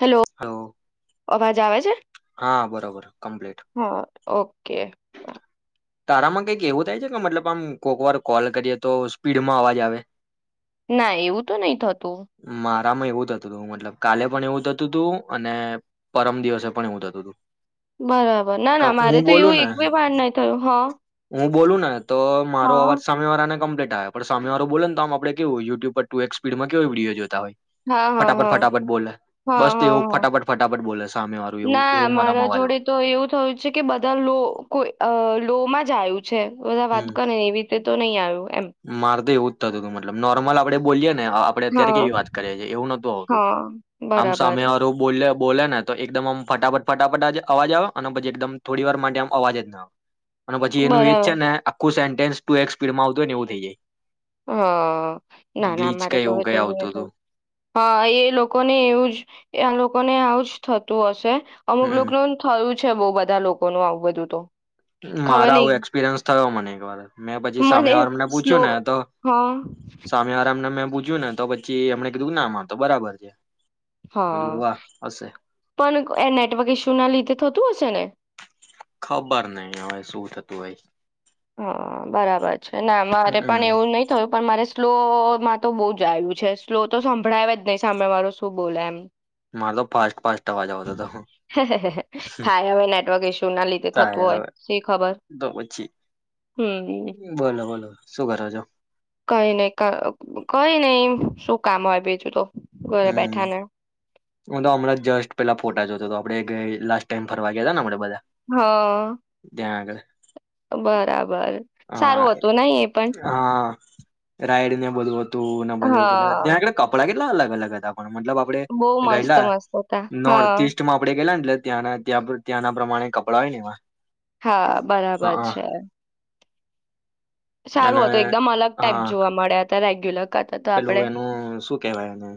Hello હ અવાજ આવે છે. કમ્પ્લીટ હા ઓકે તારામાં કઈક એવું થાય છે કે મતલબ આમ કોઈક વાર કોલ કરીએ તો સ્પીડમાં અવાજ આવે. ના એવું તો નહી થતું એવું થતું હતું મતલબ કાલે પણ એવું થતું હતું. અને પરમ દિવસે પણ એવું થતું હતું બરાબર ના કા ના મારે હું તો બોલું એવું ને એક બે વાડ નાહી થયું હા હું બોુ ના તો મારો અવાજ હા સામેવારને કમ્પ્લીટ પણ સામે વાળ બો તો આ આપણે કેવુંયુટ્યુબ પર ટુ એક્ સ્પડમાં કેો વિડીયો જોતા હોય હા હા ફટાફટ હા ફટાફટ બોલે હા બસ તો હા એવું હા ફટાફટ ફટાફટ બોલે સામે વાળું એવું ના એવું મારા મારામાં અવાજ જોડે આવતો તો એવું થયું છે કે બધા લો કો લો માં આવયું છે બધા વાત કર ને એવી તો નહીં આવ્યું એમ માર તો એવું જ થતું તું મતલબ નોર્મલ બડ બોલીને આપડે અત્યારે હા કેવી વાત કરીએ છીએ એવું નતું આવતું હા આમ બરાબર સામેું બોલે બોલે ને તો એકદમ આમ ફટાફટ ફટાફટ જ અવાજ આવે અને પછી એકદમ થોડી વાર માટે આમ અવાજ જ ના આવે અને પછી એનું એજ બરાબર છે ને આુ સ ટુ એક સ્પીડમાં આવું જ હ ના ના કે મારા જોડે તો કઈ એવું આવતું હતું હ એ લોકો ને એવું જ ને આવુંજ થતું હશે અમુક હમ લો ન થયું છે બહ બધા લોકો ન આવું બધું તો ખબર મારા નહિ આવું એક્સપિરિયન્સ થયો મને એક વાર મેં પછી સાય વાર મને પૂછ્યું ને તો હા સામે આરામ ના મે પૂછ્યું ને તો પછી એમણે કીધું નામાં તો બરાબર છે હા કીધું વાહ હશે પણ એ નેટવર્ક ઇશ્યુ ના લીધે થતું હશે ને ખબર નહ હવે શું થતું ભાઈ હા બરાબર છે છે ના મારે પણ હમ એવું નહી થયું પણ મારે સ્લો માં તો બહુ જ આવ્યું છે સ્લો તો સંભળાયે જ નહીં સાંભળે માળું શું બોલે એમ મારો ફાસ ફાસ થાય હવે નેટવર્ક ઈસ્યુ ના લીધે થતું તારે હોય શી ખબર તો પછી હમ બોલો બોલો શું કરો છો કઈ નઈ કઈ નહી શું કામ હોય બીજું તો ઘરે હમ બેઠા ને હ તો હમણાં જ જસ્ટ પેલા ફોટા જોતા તો આપે લાસ્ટ ટાઈમ ફરવા ગયા ને આપે બધા હા ત્યાં આગળ બરાબર બર હા સારું હતું નહી એ પણ રાયડને બોલવો તું ના બજા બધા હા ત્યાંે કપડા અલગ અલગ જ પણ મતલબ આપડે બહુ મસ્ત ગયેલા મસ્ત હતા નોર્થ હા ઈસ્ટ માં આપડે ગયલા ને એટલે ત્યાં ત્યાં ત્યાંના પ્રમાણે કપડાં હોય ને એવા હા બરાબર હા છે. અને સારું હતું એકદમ અલગ ટાઈપ હા જોવા મળ્યા. તા રેગ્યુલર કરતા તો પેલું આપડે એનું શું કેવાય એને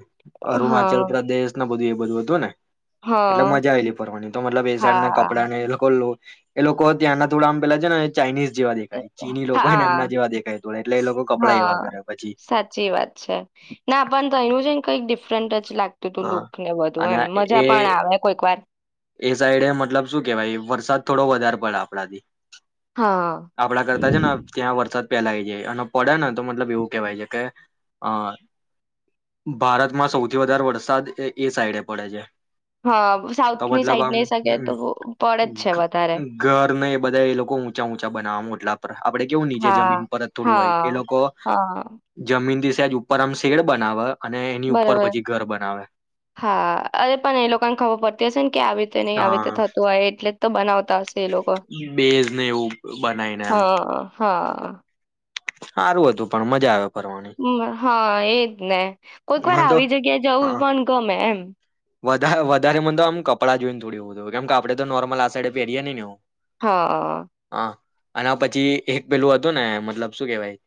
હા અરુણાચલ પ્રદેશ બધું એ બધું હતું ને એટલે હા મજા આવેલી ફરવાની તો મતલબ એ સાઈડ હા કપડા ને એ લોકો ત્યાં ના થોડડા આમ પેલા છે ને ચાઇનીઝ જેવા દેખાય ચીની લોકોને હા એમના જેવા દેખાય તોોડે એટલે એ લોકો કપડા એવા કરે પછી. અછા ના પણ તો એનું છે ને કઈક ડિફરન્ટ લાગતું તું હા લુક ને વધુ અને એમ એ મજા પણ આવે કોઈક વાર. એ સાઈડે મતલબ શું કેવાય વરસાદ થોડો વધારે પડે આપણાથી. હા આપડા કરતા છે ને ત્યાં વરસાદ પેલાય જાય અને પડે ને તો મતલબ એવું કેહેવાય છે કે અ ભારતમાં સૌથી વધારે વરસાદ એ સાઈડે પડે છે. હા. તો સાઉથની મતલબ સાઈડ આમ નહી શકે તો પડે જ હમ છે વધારે. ઘર નને બધા એ લોકો ઊંચા ઊંચા બનાવામટલા પર આપડે કેવું નીચે જમીન હા. પર જ થોડું હોય એ હા લોકો હા જમીનથી ત્યાં ઉપર આમ શેડ બનાવ બરોબર હા અરે પણ એ લોકોને ખબર પડ હશે ને કે આવી રીતે નહી આવી રીતે હા થતું હોય એટલે તો બનાવતા હશે એ લોકો બેઝ ને એવું બનાવીને એમ હા હા. સારું હતું પણ મજા આવે. ફરવાની હા એજ ને કોઈક વાર મને તો આવી જગ્યા જવું હા પણ ગમે એમ. વધારે મને તો આમ કપડાં જોઈને થોડી હોું કેમ કે આપણે તો નોર્મલ આ સાડ પેરીએ નેવું. હા. અને પછી એક પેલું હતું ને મતલબ શું કેવાય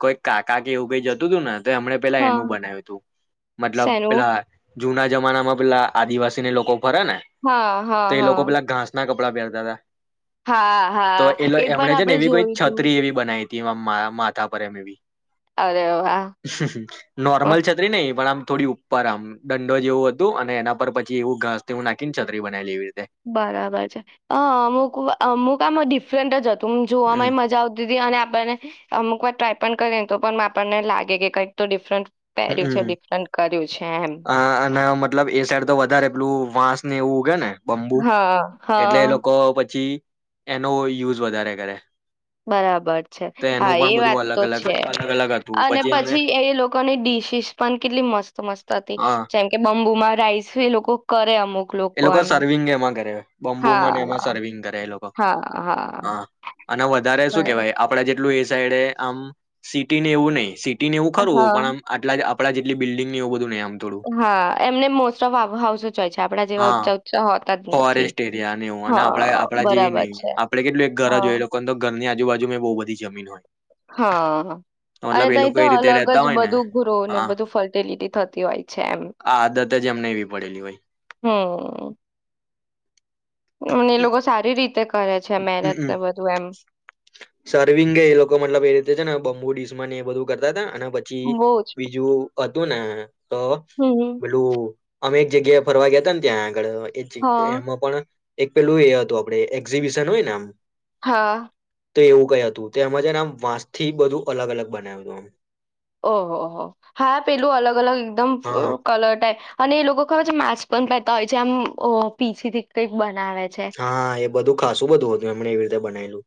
કોઈ કાકા કે એવું કઈ જતું હતું ને. તો એમણે પેલા હા. એનું બનાવ્યું હતું મતલબ શેનું પેલા જૂના જમાનામાં પેલા આદવાસીને લોકો ફરે ને હા હા તો એ લોકો હા પેલા ઘાસ ના કપ કપળા પ્યરતા. હા તો હા એલે એ પણ એમણે છે ને આપડે એવી કોઈ જોયું તું છત્રી એવી બનાવી હતી. માથા પર મેં બી. અરે વાહ. નોર્મલ છત્રી નહી પણ આમ. થોડી ઉપર આમ દંડો જેવો અને એના પર પછી એવું ઘાસ હું નાખીને ચતરી બનાવી લેવી. બરાબર છે અ અમુકમુક આમાં ડિફરન્ટ જ હતો. તમ જોવા હમ મજા આવતી હતી અને આપને અમુક વાર ટ્રાય પણ કરીને તો પણ આપણને લાગે કે કંઈક તો ડિફરન્ટ પહેર્યું છે હમમ ડિફરન્ટ કર્યું છે એમ અને મતલબ એ સાઈડ તો વધારે એટલું વાસ નેવુંગ ને બમબુ હા એટલે એ હા લોકો પછી એનો યુઝ વધારે કરે બરાબર છે તો એનું હા એ પણ વાત બધું અલગ તો અલગ છે અલગ અલગ હતું અને અમે પછી એ લોકો ડિશીસ પણ કેટલી મસ્ત મસ્ત હતી હા જેમ કે બંબુમાં રાઈસ એ લોકો કરે અમુક એ લોકો સર્વિંગ ત કરે્યો [unintelligible] બંબુ હા અને એમાં સર્વિંગ કરે એ લોકો હા અને વધારે શું બર- કેવાય આપડે જે એ સાઈડ આમ સિટી ને એવું નહી એવું ખરવું હા પણમ આટલા આપડા જેટલી બિલ્ડંગ એું બધ નંમ હા, એમને મોસ્ટ ઓફ હાઉસ જ હોય છે આપ આપડા જેવા હા ઊચા ઉચા હોય.. ફોરેસ્ટ એરિયા ને એવું અને આપ આપડા જેવી બરાબર નહી, છે આપડે કેટલું એક ઘર જો હા હોય લોકોને ઘરની આજુબજુ બુ બધી જમી હોય હા અને મતલબ એ તહી લોકો તો એ રીતે અલગ જ રેતા હોય ને બધું ગ્રો ને હા બધું ફર્ટિલિટી થતી હોય. છે એમ આ આદત જ એમ નવી પડેલી હોય હ [unintelligible] અમને એ લોકો સારી રીતે કરે છે મહેનત હમમ ને બધું એમ સર્વિંગ એ લોકો મતલબ એ જે છેને બમ્બુ િસમાની એ બધું કરતા હતા અને પછી બહુ જ બીજું. અધુના તો હમ બેલું અમેક જગ્યાએ ફરવા ગયા હતા ને ત્યાં આ હા એમાં પણ એક પેલું એ હતું આપણે [unintelligible] એક્ઝિવિશન હોય નામ હા તો એવું ક હતું તો, એમાં જે, નામ વાંસ થી બધું અલગ અલગ બનાવ્યું હતું એ. ઓહોહ હા પેલું અલગ અલગ એકદમ આમ હા કલટાય અને એ લોકો ખબર છે માસ્ક પણ પહેરતા હોય છે આમ પીછીથી કંઈક બ હા એ બધું ખાસું બધું હતું એમણે એવી રીતે બનાયલું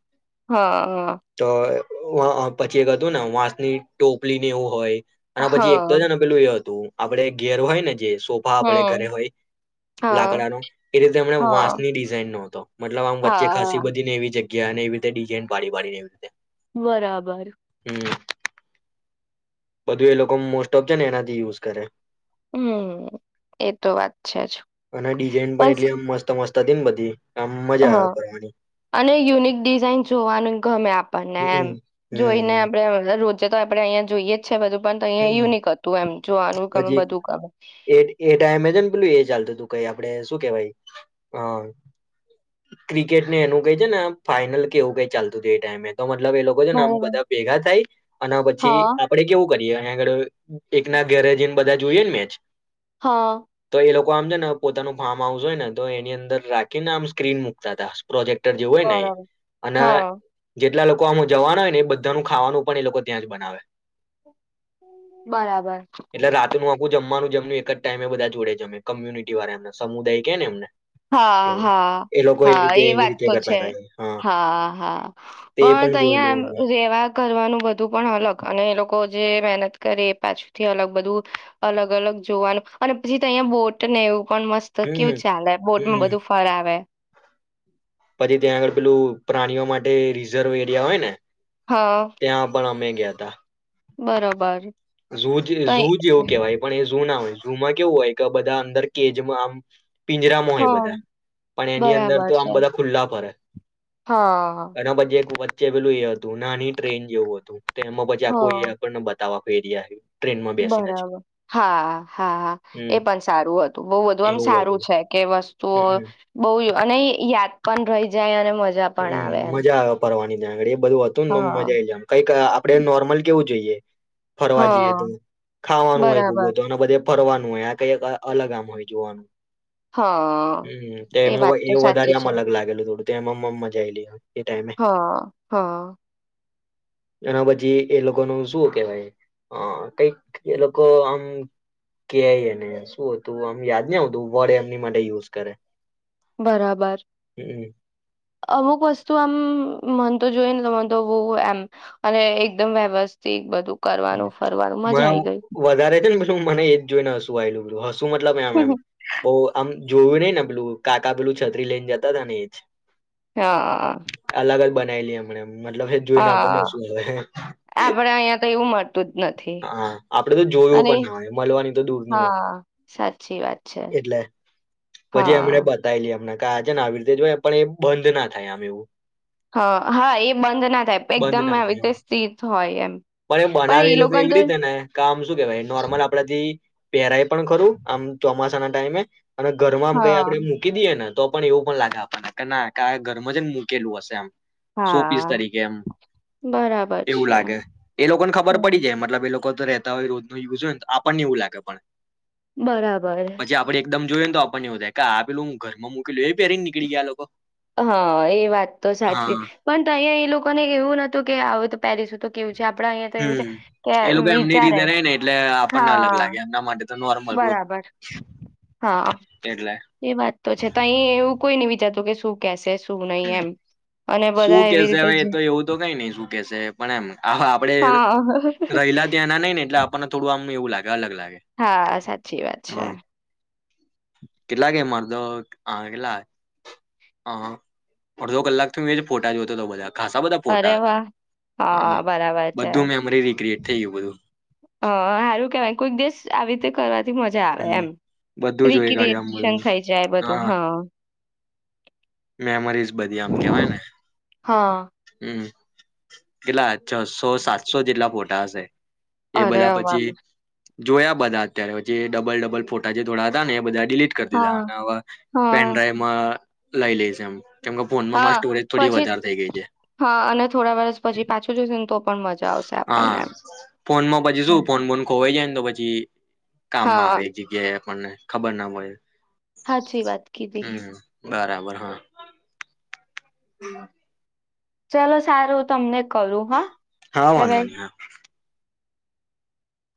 હા હા તો હવે... વાં અ પછી એક હતું ને વાંસની ટોપલી ને એવું હોય.. અને પછી એક તો હા છેને પેલું એ હતું. આપડે ઘેર હોય ને જે સોફા આપડે ઘરે હમ હોય હા લાકડા નો એ રીતે એમણે વાશ હા ની ડિઝાઇનો હતો મતલબ આમ વચ્ચે ખાસસી હા બધીને એવી જગ્યા ગ્યા ને એવી રીતે ડિઝાઇન પાડી પાડીનેવી રીતે બરાબર હમ.. બધું એ લોકો મોસ્ટ ઓફ છે ને એનાથી યુઝ કરે હમ એ તો વાત છે જ અને ડિઝાઇન પણ બસ એટલીઆમ મસ્ત સમસ્તા દિન બધી આમ મજા હા આવે કરવાની અને યુનિક ડિઝાઇન જોવાનું ગમે આપણને એમ હમ જોઈને હમ આપડે અ દરરોજ તે તો આપણે અહંયા જોઈએ જ છે બુધુ પણ ત્યા હમ યુનિક હતું એમ જો આનું ગમે પછી બધું ગમે કઇ આપડે શું કહેવાય અ ક્રિકેટને એનું કઈ છે ને ફાઈનલ કેવું કઈ ચાલતું છે એ ટાઈમે તો અમાર મતલબ એ લોકો છેને એમા બરોબર બધા ભેગા થાય અને પછી હા આપડે કેવું કરી એ [unintelligible] એકના ગેરે જઇને બધા જોઈએ ને મેચ હા તો એ લોકો આમ ને પોતાનું ફાર્મ હાઉસ હોય ને તો એની અંદર રાખીને આમ સ્ક્રીન મુૂકતા હતા પ્રોજેક્ટ જેવુ હોય ને એ બરાબર અને હા એટલા લોકો આમાં જવાના હોય ને એ બધાનું ખાવાનું પણ એ લોકો ત્યાં જ બનાવે બરાબર ું આખું જમવાનું જમનું એક જ ટાઈમે બધા જોડે જ કમ્યુનિટી વાળ એમને સમુદાય કે ને એમને હા એવું. હા એ લોકો હા રીતે એ એવી વાત રીતે તો કરતા છે હતા એ. હા હા તે પણ ત્યા જોયેલું એમ અમે રહેવા કરવાનું બધું પણ અલગ અને એ લોકો જે મહેનત કરે એ પાછુંથી અલગ બધું અલગ અલગ જોવાનું અને પછી તો અહીંયા બોટ ને એવું પણ મસ્ત કેવું હમ ચાાલે બોટમાં હમ બધુ ફરાવે વે પછી ત્યાં આગળ પેલું પ્રાણીઓ માટે રિઝર્વ એરિયા હોય ને હા ત્યાં પણ મ ગયા ત બરોબર તો ઝુ જ એવું કેવાય, પણ, એ ઝુ ના હોય છે રૂમાં કેવું હોય કે બધા અંદર કેજમાં આમ પિંજરામાં હ હોય બધા પણ એની અંદર બરાબર તો આમ છે બધા ખલ્લા પર હા ઘણા બધે. વચે પેલું, એ હતું નાની ટ્રેન જેવું હતું. તો, એમાં પછી આખું હા એયાગળને? દાવફ એરિયા આપ. બરાબર, હા, હા, એ હમ પણ સારું હતું. બહ બધું આમ એવું સારું હતું છે. કે, વસ્તુઓ હમ બહુ અને યા. પણ રહી જાય અને. મજા પણ હમ, આવે એમ. મજા આવે ફરવાની. ઝડી. બધું હતું ને, તો મજા હા. આઈ, જમ કંઈક આપડે નોર્મલ કેવું. જોઈએ. ફરવા જઈએ તો હા ખાવાનું હોય બ બરાબર તો આના બધે. ફરવાનું હોય આ કંક અલગ આમ હોય, જોવાનું. હા હમ, એમ એ વાત તો એવ વધારે સાચી આમ છે. અલગ લાગેલું થોડું. તેમમાં. મ મજા આેલી. હા, હા. એના પછી, એ લોકો ન શું કેવાય? કંઈક એ લોકો આમ કેયને શું હતું, આમ યાદ ન આવ તું વર્ડ એમની માટે યુઝ કરે. બરાબર. હમ અમુક વસ્તુ આ. મન તો, જોઈ ને તને તો બહુ એમ અને એકદમ વ્યવસ્થિત બધું. કરવાનું ફરવાનું મજા મ આઈ ગઈ. વધારે છે ને. [unintelligible] [inaudible] મને એ જ જોઈને શું થયું? શું મતલબ? એમ બહુ આમ? જોયું નઈ ને, પેલું કાકા પેલું છત્રી લઈને જતા હતાા ને, એ જ. હા. [unintelligible] મતલબ, એ જોઈને આપને હા શું આવે? આપડે અહિયાં તો એવું મળતું જ નથી હા, આપડે તો જોયું અને પણ ના હોય, મળવાની તો દૂર ની હોય, હા સાચી વાત છે એટલે પછી એમણે હા બતાવી લ [unintelligible] આવી રીતે જો પણ એ બંધ ના થાય, આમ એવું. હ, હા એ બંધ ના થાય બંધ એકદમ ના આવી થાય રીતે સ્થિત હોય એમ. પણ એ બનાવે એ લોકો એવી રીતે ને કામ શું કેવાય નોર્મલ આપડા થી પેરાય પણ ખરું આમ ચોમાસા ના ટાઈમે અને ઘરમાં આમ કંઈ હા આપડે મૂકી દઈએે ને. તો પણ એવું પણ લાગે આપણને કે ના ઘરમાં જને મુૂકેલું હશે આમ સો પીસ હા તરીકે એમ બરાબર એવું છે લાગે એ લોકોને ખબર પડી હમ જાય મતલબ એ લોકો રહેતા હોય રોજ નો યુઝ હોય ને તો આપણને એવું લાગે પણ બરાબર પછી આપડે એકદમ જોયએને તો આપ ક આ આપેલું ઘર માં મૂકલું એ પેરી નીળ ગયા લોકો હા એ વાત તો સાચી હા પણ અહીં એ લોકો કોને એવું નતું કે આવ તો પેરિસું તો કેવું છે આપડા અહિયાં તો એવું છે હમ્મ કે એ લોકો એમની વિચારે રીતે રે ને એટલે આપણને અલગ લાગે હા એમના માટે તો નોર્મલ રોજ બરાબર હા એટલે એ વાત તો છે તો અહી એવું કોઈ ન વિચા કે શું કેશે શું નહી એમ અને બધા શું એવી કેશે રીતે હવે જ એ તો એવું તો કઈ નઈ શું કેશે પણ એમ હા આપડે હા રહેલા ત્યાં ના નઈ ને એટલે આપણને થોડું કેવું લાગે અલગ લાગે હા સાચી વાત છે કેટલા કે મરતો હા કેટલા હા અડધો કલાકથી મે જ ફોટા જોતો હતો બધા ખાસા બધા અરે ફોટા હતા વાહ હ હા બરાબર બધું મેમરી રીિક્રએટ થઈ ગયું બધું હ હારું કેવાય કોઈક દિવસ આવી રીતે કરવા મજા આવે એમ બધું જોઈ કાઢ્યું આમ રીક્રએશન બધું થાયે જાય બધું હા મેમરીઝ બધી આમ કેવાય ને હા હમ્મ કેટલા છસો સાતસો જેટલા ફોટા હશે એ બધા અરેવા પછી વા જોયા બધા અત્યારે પછી એ ડબલ ડબલ ફોટા જે ધોડાતા ને એ બધા ડિલીટ કરી દીધા હા અને આવા પેન હા ડ્રાઈવમાં લઈ લે જમ હા પછી હા અને થોડા વર્ષ પછી પાછું જોશેને તો પણ મજા આવશે હા આપણને એમ ફોન માં પછી હમ. શું ફોન બોન ખોવાઈ જાયને તો પછી [inaudible] કામમાં હા આવે જગ્યાએ આપણને ખબર ના [unintelligible] હાચીં વાત કીધી. હમ બરાબર હા. [inaudible] ચલો સારું તમને કરું હા હા બાય વાંધો બાય નહી હા